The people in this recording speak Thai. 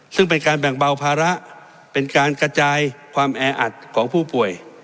ซึ่งเป็นการแบ่งเบาภาระเป็นการกระจายความแออัดของผู้ป่วย